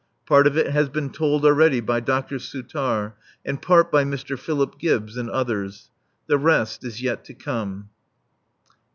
Part of it has been told already by Dr. Souttar, and part by Mr. Philip Gibbs, and others. The rest is yet to come.